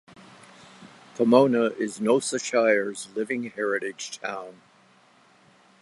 Pomona is Noosa Shire's 'living heritage town'.